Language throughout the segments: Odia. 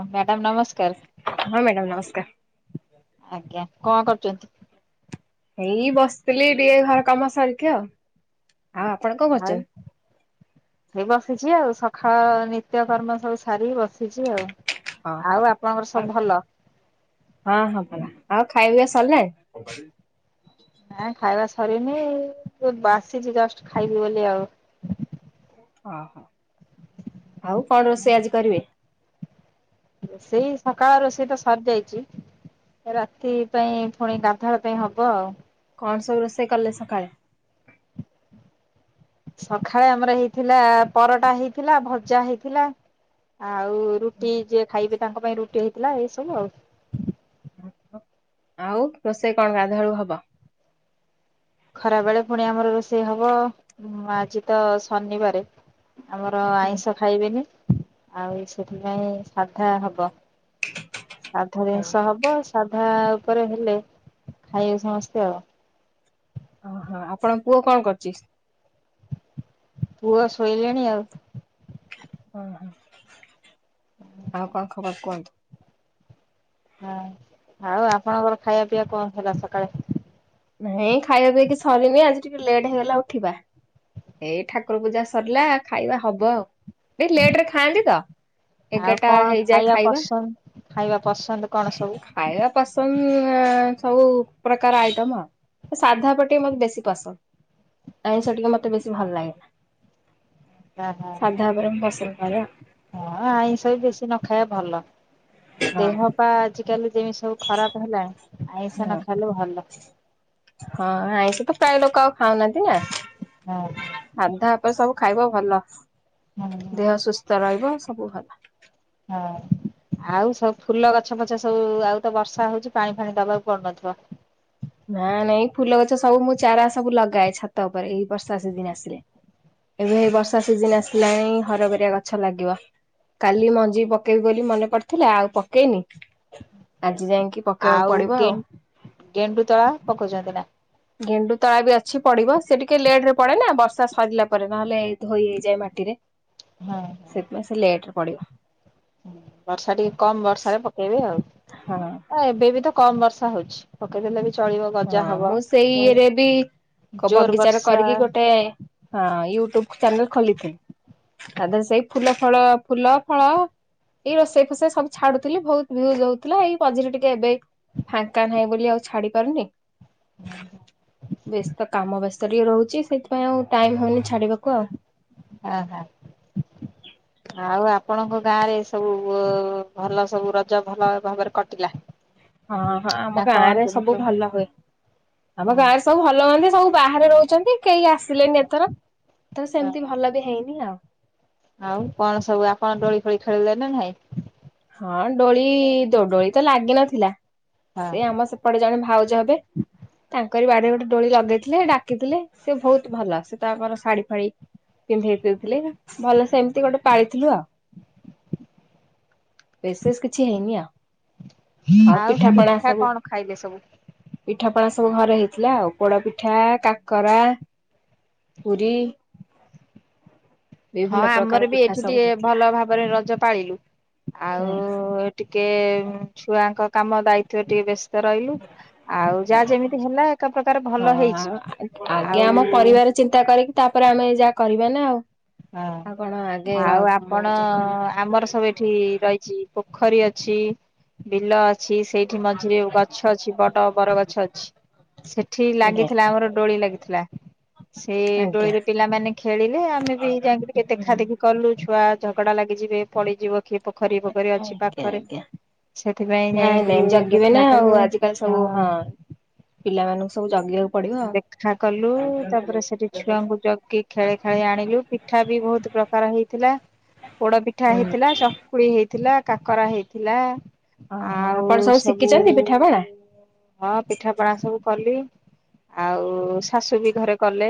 ମ୍ୟାଡାମ ନମସ୍କାର ହଁ ମ୍ୟାଡ଼ାମ ନମସ୍କାର। ଆଜ୍ଞା। କଣ କରୁଛନ୍ତି? ଏଇ ବସିଥିଲି ଟିକେ ଘର କାମ ସାରିକି ଆଉ। ଆଉ ଆପଣ କଣ କରୁଛନ୍ତି? ଆଁ ସେ ବସିଛି ଆଉ ସବୁ ଖ ନିତ୍ୟକର୍ମ ସବୁ ସାରିକି ବସିଛି ଆଉ। ହଁ ଆଉ ହଁ ଆପଣଙ୍କର ସବୁ ଆଉ ଭଲ? ହଁ ହଁ ଭଲ୍ ଆଉ ଖାଇବା ସରିଲାନି? ନାଁ ଖାଇବା ସରିନି ମୁଁ ବାସିଛି ଜଷ୍ଟ ଖାଇବି ବୋଲି ଆଉ। ଓହୋ ଆଉ କଣ ରୋଷେଇ ଆଜି କରିବେ? ରୋଷେଇ ସକାଳ ରୋଷେଇ ତ ସରି ଯାଇଛି ରାତି ପାଇଁ ପୁଣି ଗାଧଳ ପାଇଁ ହବ ଆଉ। କଣ ସବୁ ରୋଷେଇ କଲେ ସକାଳେ? ସକାଳେ ଆମର ହେଇଥିଲା ପରଟା ହେଇଥିଲା ଭଜା ହେଇଥିଲା ଆଉ ରୁଟି ଯିଏ ଖାଇବେ ତାଙ୍କ ପାଇଁ ରୁଟି ହେଇଥିଲା ଏଇ ସବୁ ଆଉ। ଆଉ ରୋଷେଇ କଣ ଗାଧୁଆଳୁ ହବ। ଖରା ବେଳେ ପୁଣି ଆମର ରୋଷେଇ ହବ ଆଜି ତ ଶନିବାରେ ଆମର ଆଇଁଷ ଖାଇବେନି ଆଉ ସେଥିପାଇଁ ସାଧା ହବ। ସାଧା ଜିନିଷ ହବ ସାଧା ଆଉ। ପରେ ହେଲେ ଖାଇବ ସମସ୍ତେ ଆଉ। ଓହୋ ଆପଣ ପୁଅ କଣ କରୁଛି? ପୁଅ ଶୋଇଲେଣି ଆଉ। ହଁ ହୋ। ଆଉ କଣ ଖବର? କୁହନ୍ତୁ ହଁ ଆଉ ଆପଣଙ୍କର ଖାଇବା ପିଇବା କଣ ହେଲା ସକାଳେ? ହେଇଁ ଖାଇବା ପିଇକ ସରିନି ଆଜି ଟିକେ ଲେଟ୍ ହେଇଗଲା ଉଠିବା ଏଇ ଠାକୁର ପୂଜା ସରିଲା ଖାଇବା ହବ ଆଉ। ଏ ଲେଟରେ ଖାଆନ୍ତି ତ ଆଉ ଏଗାରଟା କଣ ହେଇଯାଏ ଖାଇବା ପସନ୍ଦ ଖାଇବା ପସନ୍ଦ କଣ ସବୁ? ଖାଇବା ପସନ୍ଦ। ସବୁ ପ୍ରକାର ଆଇଟମ ହ ସାଧା ପଟିେ ମତେ ବେଶୀ ପସନ୍ଦ ଆଇସ ସେ ଟିକେ ମତେ ବେଶୀ। ଭଲ ଲାଗେନା ଓହୋ ସାଧା ବରଂ ପସନ୍ଦ ଆ। ହଁ ଆଇଁଷ ବି ବେଶୀ ନ ଖାଇବା ଭଲ। ଦେହ ହଁ ପା ଆଜିକାଲି ଯେମିତି ସବୁ ଖରାପ ହେଲାନି ଆଇଁଷ ନ ହଁ ଖାଇଲେ ଭଲ। ହଁ ଆଇଁଷ ତ ପ୍ରାୟ ଲୋକ ଖାଉନାହାନ୍ତି ନା ହଁ ସାଧା ଆପେ ସବୁ ଖାଇବ। ଭଲ ହଁ ହଁ ଦେହ ସୁସ୍ଥ ରହିବ। ସବୁ ଭଲ। ହଁ ଆଉ ସବୁ ଫୁଲ ଗଛ ଫଛ ସବୁ ଆଉ ତ ବର୍ଷା ହୋଉଚୀ ପାଣି ଫାଣି ଦବାକୁ ପଡୁନଥିବ। ନା ନାଇଁ ଏଇ ଫୁଲ ଗଛ ସବୁ ମୁଁ ଚାରା ସବୁ ଲଗାଏ ଛାତ ଉପରେ ଏଇ ବର୍ଷା ସିଜିିନ ଆସିଲେ ଏବେ ଏଇ ବର୍ଷା ସିଜିିନ ଆସିଲାଣି ହରଗୋଉରା ଗଛ ଲାଗିବ କାଲି ମଞ୍ଜି ପକେଇବି ବୋଲି ମନେ ପଡିଥିଲା ଆଉ ପକେଇନି ଆଜି ଯାଇଁ ଆଉ ଗେ ଗେଣ୍ଡୁ। ତଳା ପକଉଛନ୍ତି ନା। ଗେଣ୍ଡୁତଳା ବି ଅଛି ପଡିବ ସେ ଟିକେ ଲେଟ୍ ରେ ପଡେ ନା ବର୍ଷା ସରିଲା ପରେ ନହେଲେ ଧୋଇ ହେଇଯାଏ ମାଟିରେ। ହଁ ହଁ ସେଥିପାଇଁ ସେ ଲେଟ ରେ ପଡିବ ବର୍ଷା ଟିକେ କମ ବର୍ଷାରେ ପକେଇବେ ଆଉ। ହଁ ଏ ବେବିତ କମ ବର୍ଷା ହୋଉଚି ପକେଇ ଦେଲେ ବି ଚଳିବ ଗଜା ହଁ ହବ ମୁଁ ସେଇ ଇଏରେ ବି ଜୋର ବଗିଚାର ବର୍ଷା କରିକି ଗୋଟେ ହଁ ୟୁଟୁବ ଚ୍ୟାନେଲ ଖୋଲିଥିଲି ତା ହଁ ଦେହରେ ସେଇ ଫୁଲଫଳ ଫୁଲଫଳ ଏଇ ରୋଷେଇ ଫୋସେଇ ସବୁ ଛାଡୁଥିଲି ବହୁତ ଭିଉଜ ହୋଉଥିଲା ଏଇ ମଝିରେ ଟିକେ ଏବେ ଫାଙ୍କା ନାହିଁ ବୋଲି ଆଉ ଛାଡି ପାରୁନି। ବ୍ୟସ୍ତ କାମ ବ୍ୟସ୍ତ ଟିକେ ରହୁଚି ସେଥିପାଇଁ ଆଉ ଟାଇମ ହଉନି ଛାଡିବାକୁ ଆଉ। ଆହା ଆଉ ଆପଣଙ୍କ ଗାଁ ରେ ସବୁ ଭଲ ସବୁ ରଜ ଭଲ ଭାବରେ କଟିଲା। ହଁ ହଁ ଆମ ନା ଗାଁ କଣ ରେ କେମିତି ସବୁ ଭଲ ହୁଏ ଆମ ହଁ ଗାଁରେ ସବୁ ଭଲ ବୋଲି ସବୁ ବାହାରେ ରହୁଚନ୍ତି। କେହି ଆସିଲେନି ଏଥର ତ ସେମତି ଭଲ ବି ହେଇନି ଆଉ। ଖେଳି ଦେଲେ ନାହିଁ। ହଁ ଡୋଳି ଡୋଳି ତ ଲାଗିନଥିଲା। ହଁ ସେ ଆମ ସେପଟେ ଜଣେ ଭାଉଜ ହେବେ ତାଙ୍କରି ବାଡିରେ ଗୋଟେ ଡୋଳି ଲଗେଇ ଥିଲେ ଡା ଶିଖିଥିଲେ ସେ ବହୁତ ଭଲ ସେ ତାଙ୍କର ଶାଢୀ ଫାଢ଼ି ପିନ୍ଧେଇ ଦେଇଥିଲେ ଭଲ ସେ ଏମିତି ଗୋଟେ ପାଳିଥିଲୁ ଆଉ। ବିଶେଷ କିଛି ହେଇନି ଆଉ। ଆଉ ପିଠା କଣ ଖାଇଲେ ସବୁ? ପିଠା ପଣା ସବୁ ଘରେ ହେଇଥିଲା ଆଉ ପୋଡପିଠା କାକରା ପୁରି ହଁ ଆମର ବି ପିଠା ଏଠି ସବୁ ଟିକେ ହେଇଥିଲା ଭଲ ଭାବରେ ରଜ ପାଳିଲୁ ହୁଁ। ଆଉ ଟିକେ ଛୁଆଙ୍କ କାମ ଦାୟିତ୍ୱ ଟିକେ ବ୍ୟ ସ୍ତ ରହିଲୁ ଆଉ ଯାହା ଯେମିତି ହେଲା ଏକ ପ୍ରକାର ଭଲ ହେଇଚି ହଁ ଆଗେ ଆମ ଆଉ। ବେନା ଆଉ ହଁ ଆଉ କଣ ଆଗେ ର ଆଉ ଆପଣ ମଉଜ କ ଆମର ସବୁ ଏଠି ରହିଚି ପୋ ଖରୀ ଅଛି ବିଲ ଅ ଛି ସେଇଠି ମଝିରେ ଗଛ ଅଛି ବଡ ବରଗଛ ଅଛି ସେଠି ଆଜ୍ଞା ଲାଗିଥିଲା ଆମର ଡୋଳି ଲାଗିଥିଲା ସେ ଆଜ୍ଞା ଡୋଳିରେ ପିଲାମାନେ ଖେଳିଲେ ଆମେ ବି ଟିକେ ହୁଁ। ଦେଖା ଦେଖି କଲୁ ଛୁଆ ଝଗଡା ଲାଗି ଜେ ପଡିଯିବ କିଏ ପୋଖରୀ ପୋଖରୀ ଅଛି ଆଜ୍ଞା ପାଖରେ ଆଜ୍ଞା ସେଥିପାଇଁ ନାଇଁ ଯାଇ ନାଇଁ ଟିକେ ଜଗିବେ ନା ଦେଖା ଆଉ କଲୁ ଆଜିକାଲି ସବୁ ହଁ। ପିଲାମାନଙ୍କୁ ସବୁ ଜଗିବାକୁ ପଡିବ ଆଉ। ଦେଖା କଲୁ ତାପରେ ସେଠି ଛୁଆଙ୍କୁ ଜଗି ଖେଳି ଖେଳି ଆଣିଲୁ ପିଠା ବି ବହୁତ ପ୍ର କରା ହେଇଥିଲା। ପୋଡପିଠା ହୁଁ ହେଇଥିଲା ଚକୁଳି ହେଇ ଥିଲା କାକରା ହେଇଥିଲା। ଓହୋ ଆଉ ଆପଣ ସବୁ ଶିଖିଛନ୍ତି ପିଠାପଣା? ହଁ ପିଠା ପଣା ସବୁ କଲି। ଆଉ ଶାଶୁ ବି ଘରେ କଲେ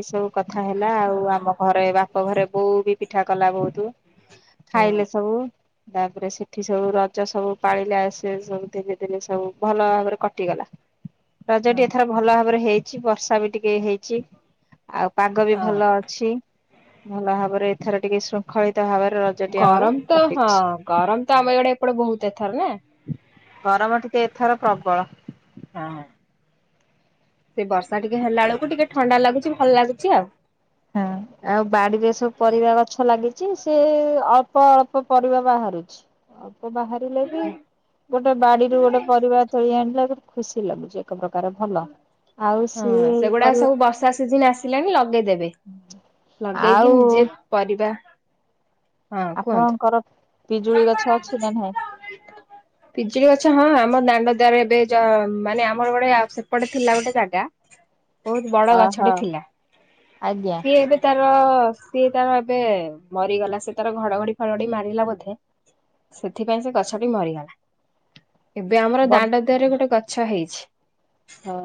ଏସବୁ କଥା ହେଲା ଆଉ ଆମ ଘରେ ବାପ ଘରେ ବୋଉ ବି ପି ମିିଠା କଲା ବହୁତୁ। ହୁଁ ଖାଇଲେ ସବୁ ତାପରେ ସେଠି ସବୁ ରଜ ସବୁ ପାଳିଲା ସେ ସବୁ ତିନି ଦିନି ସବୁ ଭଲ ଭାବରେ କଟିଗଲା। ରାଜାଟି ହଁ ଏଥର ଭଲ ହେଇଛି ବର୍ଷା ବି ଟିକେ ହେଇଛି। ଚି ଆଉ ପାଗ ବି ହଁ ଭଲ ଅଛି। ଭଲ ଭାବରେ ଏଥର ଟିକେ ଶୃଙ୍ଖଳି ଗରମ ତ ହଁ ଗରମ ତ ଆମେ ଇଆଡେ ଏପଟେ ବହୁତ ତେ ଥର ନା। ଗରମ ଟିକେ ଏଥର ପ୍ରବଳ। ହଁ। ସେ ବର୍ଷା ଟିକେ ହେଲା ବେଳକୁ ଟିକେ ଥଣ୍ଡା ଲାଗୁଛି ଭଲ ଲାଗୁଛି ଆଉ। ହଁ ଆଉ ବାଡିରେ ସବୁ ପରିବା ଗଛ ଲାଗି ଚି ସେ ଅଳ୍ପ ଅଳ୍ପ ପରିବା ବାହାରୁଛି। ବାହାରିଲେ ବି ଗୋଟେ ବାଡିରୁୁ ଗୋଟେ ପରିବା ତୋଳି ଆଣିଲେ ଖୁସି ଲାଗଛି ଆ ହଁ ସେଗୁଡା ପରିବା ସବୁ ବର୍ଷା ସିଜିିନ ଆସିଲାଣି ଲଗେଇଦେବେ। ଆଉ ଲଗେଇକି ନିଜେ ପରିବା ହଁ କୁହନ୍ତୁ। ଆପଣଙ୍କର ପିଜୁଳି ଗଛ ଅଛି ନା ନାହିଁ। ପିଜୁଳି ଗଛ ହଁ ଆମ ଦାଣ୍ଡ ଦୁଆରେ ଏବେ ଜ ମାନେ ଆମର ଗୋଟେ ଆ ସେପଟେ ଥିଲା ଗୋଟେ ଜାଗା। ବହୁତ ବଡ ହଁ ଗଛଟେ ହଁ ଥିଲା ଆଜ୍ଞା ସିଏ ଏବେ ତାର ସିଏ ତାର ଏବେ ମରିଗଲା ସେ ତାର ଘଡଘଡି ଫଡଘଡି ମାରିଲା ବୋଧେ ସେଥିପାଇଁ ସେ ଗଛଟି ମରିଗଲା। ଏବେ ଆମର ବ ଦାଣ୍ଡ ଦୁଆରେ ଗୋଟେ ଗ ଛ ହେଇଛି। ହଁ।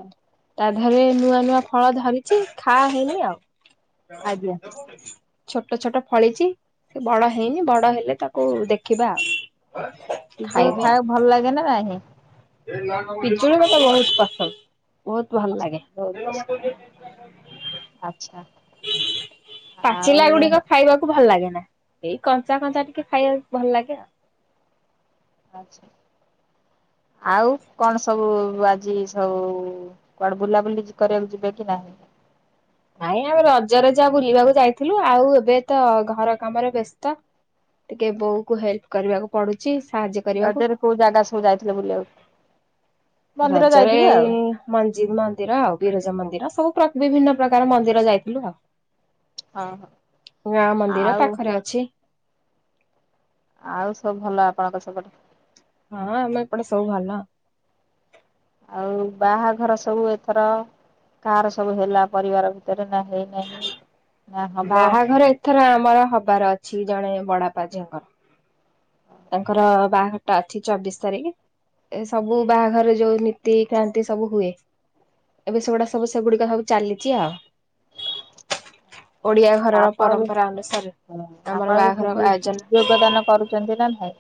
ତା ଦେହରେ ନୂଆ ନୂଆ ଫଳ ଧରିଛି ଖା ହେଇନି ଆଉ। ଆଜ୍ଞା। [inaudible] ଛୋଟ ଛୋଟ ଫଳିଛି ସେ ବଡ ହେଇନି ବଡ ହେଲେ ତା କଉ ଦେଖିବା ପିଜୁଳି ଖାଇବି ଆଉ। ଖାଇବାକୁ ଭଲ ଲାଗେ ନା ନାହିଁ। ପିଜୁଳି ମତେ ବହୁତ ପସନ୍ଦ। ବହୁତ ଭଲ ପସନ୍ଦ ଲାଗେ ଆଛ। ପାଚିଲା ଆଉ ଗୁଡିକ ଖାଇବାକୁ ଭଲ ଲାଗେ। ଏଇ କଞ୍ଚା କଞ୍ଚା ଟିକେ ଖାଇବାକୁ ଭଲ ଲାଗେ ଆଉ। ଆଛା ଆଉ କଣ ସବୁ ଆଜି ସବୁ କୁଆଡେ ବୁଲାବୁଲି କରିବାକୁ ଯିବେ କି ନାହିଁ? ନାଇଁ ଆମେ ରଜରେ ଜାହା ବୁଲିବାକୁ ଯାଇଥିଲୁ ଆଉ ଏବେ ତ ଘର କାମରେ ବ୍ୟସ୍ତ ଟିକେ ବୋଉ କୁ ହେଲ୍ପ କରିବାକୁ ପଡୁଛି। ସାହାଯ୍ୟ କରିବାକୁ ରଜରେ କୋଉ ଜାଗା ସବୁ ଯାଇଥିଲେ ବୁଲିବାକୁ? ମନ୍ଦିର ରଜରେ ଯାଇଥିବେ ଆଉ ମଞ୍ଜିଦ୍ ମନ୍ଦିର ଆଉ ବିରଜ ମନ୍ଦିର ସବୁ ପ୍ରକାର ବିଭିନ୍ନ ପ୍ରକାର ମନ୍ଦିର ଯାଇଥିଲୁ ଆଉ। ହଁ ହଁ। ଗ ମନ୍ଦିର ଆଉ ପାଖରେ ଅଛି। ଆଉ ସବୁ ଭଲ ଆପଣଙ୍କ ସବଟୁ ହଁ ଆମେ ଏପଟେ ସବୁ ଭଲ ଆଉ ବାହାଘର ସବୁ ଏଥର କାହାର ସବୁ ହେଲା ପରିବାର ଭିତରେ ନା ହେ [unintelligible] ବାହାଘର ଏଥର ଆମର ହବାର ଅଛି ଜଣେ ବଡ ଆପା ଝିଅଙ୍କର ତାଙ୍କର ବାହାଘର ଟା ଅଛି ଚବିଶ ତାରିଖ ଏ ସବୁ ବାହାଘର ଯୋଉ ନୀତି କ୍ରାନ୍ତି ସବୁ ହୁଏ ଏବେ ସେଗୁଡା ସବୁ ସେଗୁଡିକ ସବୁ ଚାଲିଛି ଆଉ। ଓଡିଆ ଘରର ଆପଣ ବି ପରମ୍ପରା ଅନୁସାରେ ଆମର ଆପଣ ବି ବାହାଘର ସେଠି ଆୟୋଜନ ଯୋଗଦାନ କରୁଛନ୍ତି ନା ନାଇଁ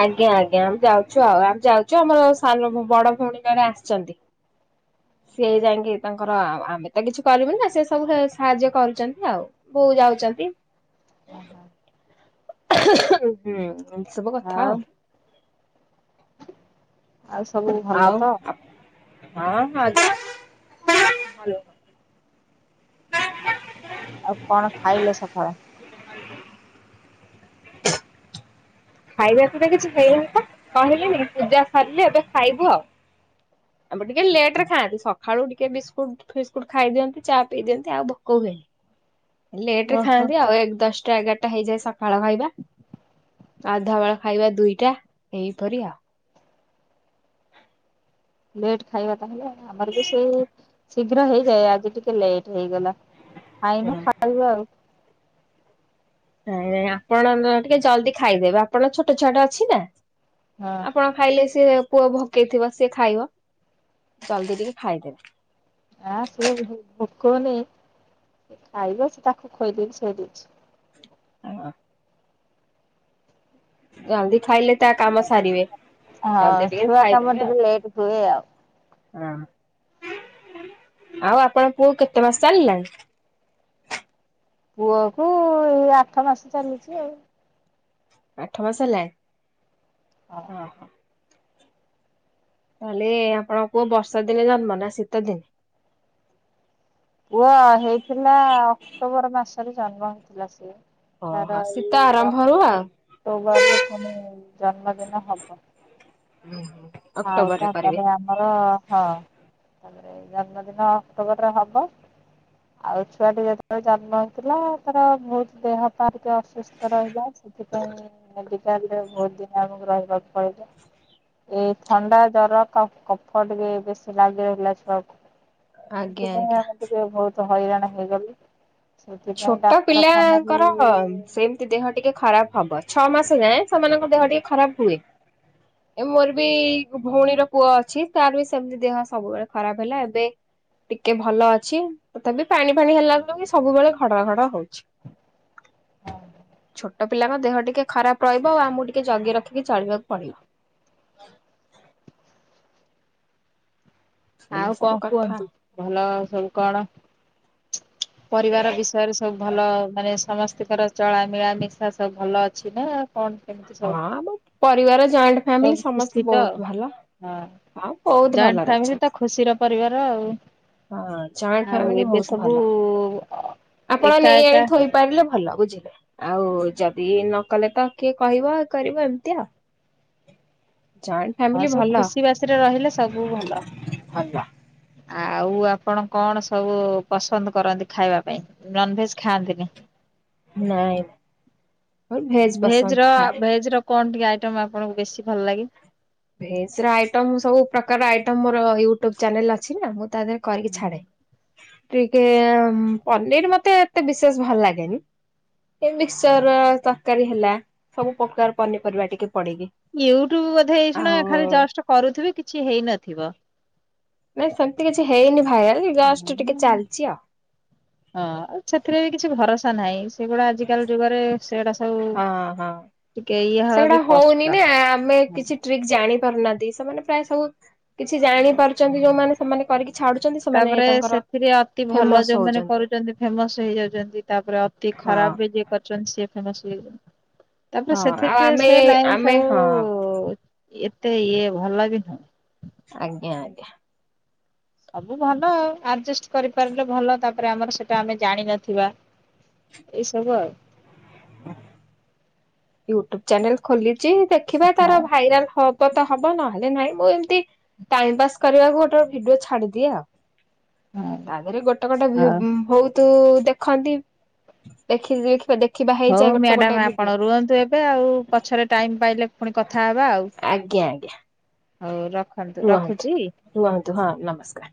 ଆଜ୍ଞା ଆଜ୍ଞା ଆମେ ଯାଉଛୁ ଆଉ ଆମେ ଯାଉଛୁ ଆମର ବଡ ଭଉଣୀଙ୍କରେ ଆସିଛନ୍ତି ସିଏ ଯାଇକି ତାଙ୍କର ଆମେ ତ କିଛି କରିବୁି ନା ସେ ସବୁ ସାହାଯ୍ୟ କରୁଛନ୍ତି ଆଉ ବୋଉ ଯାଉଛନ୍ତି। ହ ହୋ ହୁଁ। ସବୁ କଥା ଆଉ ଆଉ ସବୁ ଭଲ ଆଉ ତ? ହଁ। ଆଉ କଣ ଖାଇଲେ ସକାଳେ? ଖାଇବା ସତ କିଛି ହେଇନିପା କହିଲେନି ପୂଜା ସରିଲେ ଏବେ ଖାଇବୁ ଆଉ ଏମ ଟିକେ ଲେଟ ରେ ଖାଆନ୍ତି ସକାଳୁ ଟିକେ ବିସ୍କୁଟ ଫିସ୍କୁଟ ଖାଇଦିଅନ୍ତି ଚା ପିଇ ଦିଅନ୍ତି ଆଉ ଭୋକ ହୁଏନି। ହେ ଲଟ ରେ ଓହୋ ଖାଆନ୍ତି ଆଉ ଏକ ଦସ୍ ଟା ଏଗାରଟା ହେଇଯାଏ ସକ୍ ଖାଳ ଖାଇବା ଗାଧା ବଳ ଖାଇବା ଦୁଇଟା ଏଇପରି ଆଉ ଲେଟ୍ ଖାଇବା ତାହେଲେ ଆମର ବି ସେଇ ଶୀଘ୍ର ହେଇଯାଏ ଆଜି ଟିକେ ଲେଟ୍ ହେଇଗଲା। ଖାଇନୁ ଖାଇବୁ ଆଉ। ନାଇଁ ନାଇଁ ଆପଣ ଟିକେ ଜଲଦି ଖାଇଦେବେ ଆପଣ ଛୋଟ ଛୁଆଟା ଅଛି ନା। ହଁ ଆପଣ ଖାଇଲେ ସିଏ ପୁଅ ଭକେଇଥିବ ସିଏ ଖାଇବ। ଜଲଦି ଟିକେ ଖାଇଦେବେ। ଆଁ ସିଏ ଭୋକଉନୀ ଖାଇବ ସେ ତାକୁ ଖୋଇଦେବି ଶୋଇଦଛି। ଓ [unintelligible] ଜଲଦି ଖାଇଲେ ତା କାମ ସାରିବେ ହଁ ଜଲଦି ଟିକେ ଛୁଆ କାମ ଖାଇଦେବେ ଆଉ। ଟିକେ ଲେଟ୍ ହୁଏ ଆଉ ହଁ ଆଉ ଆପଣ ପୁଅ କେତେ ମାସ ଚାଲିଲାଣି ପୁଅ କୁ ଏଇ ଆଠ ମାସ ଚାଲିଛି ଆଉ ଆଠ ମାସ ହେଲାଣି। ହଁ ତାହେଲେ ଆପଣଙ୍କପୁଅ ବର୍ଷା ଦିନେ ଜନ୍ମ ନା ଶୀତ ଦିନ? ପୁଅ ହେଇଥିଲା ଅକ୍ଟୋବର ମାସରେ ଜନ୍ମ ହେଇଥିଲା ସିଏ। ଓହୋ ସତାର ଶୀତ ଏଇ ଆରମ୍ଭରୁ ଆଉ ଅକ୍ଟୋବରରେଖି ଜନ୍ମଦିନେ ହବ। ଆଉ ଅକ୍ଟୋବରରେ କରିବେ। ତାପରେ ଆମର ହଁ। ତାରେ ଜନ୍ମଦିନ ଅକ୍ଟୋବରରେ ହବ ଆଉ ଛୁଆଟି ଯେତେବେଳେ ଜନ୍ମ ହେଇଥିଲା ତାର ବହୁତ ଦେହ ପା ଟିକେ ଅସୁସ୍ଥ ରହିଲା ସେଥିପାଇଁ ତା ହେଲ ବହୁତ ଦିନ ଆମକୁ ରହିବାକୁ ପଡିଲ ଏଇ ଥଣ୍ଡା ଜର କ କଫ ଟିକେ ବି ବେଶୀ ଲାଗି ରହିଲା ଛୁଆକୁ। ଆଜ୍ଞା ସେଥିପାଇଁ ଆଜ୍ଞା। ଆମେ ଟିକ ବହୁତ ତ ହଇରାଣ ହେଇଗଲି ଛୋଟ ପିଲାଙ୍କର ସେମିତି ଦେହ ଟିକେ ଖରାପ ହବ। ଛଅ ମାସ ଯାଏ ସେମାନଙ୍କ ଦେହ ଟିକେ ଖରାପ ହୁଏ। ଏ ମୋର ବି ଭଉଣୀର। ପୁଅ ଅଛି ତାର ବି ସେମିତି ଦେହ ସବୁବେଳେ ଖରାପ ହେଲା ଏବେ ଟିକେ ଭଲ ଅଛି। ତଥାପି ପାଣି ଫାଣି ହେଲା ବି ସବୁବେଳେ ଖଡର ଖଡର ହଉ ଛୋଟ ପିଲା ମ ଦେହ ଟିକେ ଖରାପ ରହିବ ଆଉ ଆଉମକୁ ଟିକେ ଜଗି ରଖିକି ଚଳିବାକୁ ପଡିବ। ଏଇ ଆଉ ସବୁ କଣ କଥା। କୁହନ୍ତୁ। ଭଲ ସବୁ କଣ? ପରିବାର ଙ୍କର ଚଳ ମିିଳା ମିଶା ସବୁ ଭଲ ଅଛି ନା? କଣ କେମିତି ସବୁ? ହଁ ଆ ପରିବାର ଜଏଣ୍ଟ ଫ୍ୟାମିଲି ସବୁ ଖୁସି ସମସ୍ତେ ତ? ବହୁତ ଭଲ। ହଁ ହଁ ବହୁତ ଭଲରେ ଅଛନ୍ତି। ହଁ [unintelligible] ହଁ ଜଏଣ୍ଟ ଫ୍ୟମିିଲ ବହୁତ ଭଲ। ଆପଣ ଏକା ନେଇ ଏକା ଆଣିଥୋଇପାରିଲେ ଭଲ ବୁଝିଲେ। ଆଉ ଯଦି ନ କହଲେ ତ କିଏ କହିବ କରିବ ଏମିତିଆ। ହଁ ସବୁ ଖୁସି ବାସିରେ ରହିଲେ ସବୁ ଭଲ। ଭଲ ଆଉ ଆପଣ କଣ ସବୁ ପସନ୍ଦ କରନ୍ତି ଖାଇବା ପାଇଁ ନନଭେଜ ଖାଆନ୍ତିନି। ନାଇଁ ମୋର ଭେଜ ପସନ୍ଦ ର ଖାଏ। ଭେଜ ର କଣ ଟିକେ ଆ ଆପଣଙ୍କୁ ବେଶୀ ଭଲ ଲାଗେ। ଭେଜ ଆଇଟ ସବୁ ପ୍ରକାର ଆଇଟ ମୋର ୟୁଟ୍ୟୁବ ଚାନେଲ ଅଛି ନା। ତଦ କରକ ଛଡ଼େ ଟିକେ ପନିର ମତେ ଏତେ ବିଶେଷ ଭଲ ଲାଗେନି ଏ ମିକ୍ସଚର ତରକାରୀ ହେଲା ସବୁ ପ୍ରକାର ପନିପରିବା ଟିକେ ପଡକି ୟୁଟ୍ୟୁବ ହେଇ ଶୁଣା ଏା ଜଷ୍ଟ କରୁଥିବେ କିଛି ହେଇନଥିବ। ନାଇଁ ସେମିତି କିଛି ହେଇନି। ଭାଇରାଲ ଜଷ୍ଟ ଟିକେ ଚାଲିଛି ଆଉ। ହଁ ସେଥିରେ ବି କିଛି ଭରସା ନାହିଁ। ସେଗୁଡ଼ା ଆଜିକାଲି ଯୁଗରେ ସେଗୁଡା ସବୁ ହଁ ହଁ ଟିକେ ଇଏ ହବା ସେଗୁଡା ବି କଷ୍ଟ। ହଉନି ନା ଆମେ ହଁ କିଛି ଟ୍ରିକ ଜାଣି ନାହାନ୍ତି ସେମାନେ ପ୍ରାୟ ସବୁ କିଛି ଜାଣି ପାରୁଛନ୍ତି ଯୋଉମାନେ ସେମାନେ କରିକି ଛାଡୁଛନ୍ତି ସେମାନେ ତାପରେ ତାଙ୍କର ସେଥିରେ ଅତି ଭଲ ଫେମସ ଯୋଉମାନୋନ ହଉଛନ୍ତି। କରୁଛନ୍ତି ଫେମସ ହେଇଯାଉଛନ୍ତି ତାପରେ ଅତି ହଁ। ଖରାପ ବି ଯିଏ କରୁଛନ୍ତି ସିଏ ହେ ସେ ତାପରେ ହଁ ଆଉ ସେଥିରେ ଆମେ ସେ ଲାଇନ ଆମେ ହଁ ସବୁ ଏତେ ଇଏ ଭଲ ବି ନୁହେଁ। ଆଜ୍ଞା ଆଜ୍ଞା। ସବୁ ଭଲ ଆଉ ଆଡଜଷ୍ଟ କରିପାରିଲେ ଭଲ ତାପରେ ଆମର ସେଟା ଆମେ ଜାଣିନଥିବା ଏଇ ସବୁ ଆଉ। ହୁଁ। ୁଟ୍ୟୁବ ଚ୍ୟାନେଲ ଖୋଲି ଯ ଦେଖିବା ହଁ ତାର ଭାଇରାଲ ହବ। ପ ତ ହବ ନହେଲେ ନାଇଁ ମୁଁ ଏମତି ଟାଇମ ପାସ୍ କରିବାକୁ ଗୋଟେ ଭିଡିଓ ଛାଡିଦିଏ ଆଉ। ହଁ ତା ଦେହରେ ଗୋଟେ ଗୋଟେ ହଉ ହଉ। ତୁ ଦେଖନ୍ତି ଦେଖି ଦେଖ ଦେଖ କିବା ହେଇଯାଏ ଗୋଟେ ଗୋଟେ ଭିଡିଓ ୁ ଏବେ ଆଉ ପଛରେ ଟାଇମ ପାଇଲେ ପୁଣି କଥା ହେବା ଆଉ। ଆଜ୍ଞା ଆଜ୍ଞା ହଉ ର ରୁହନ୍ତୁ ରୁହନ୍ତୁ ହଁ ନମସ୍କାର।